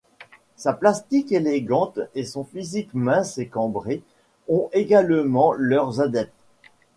Sa plastique élégante et son physique mince et cambré ont également leurs adeptes.